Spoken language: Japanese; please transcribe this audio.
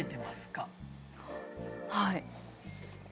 はい。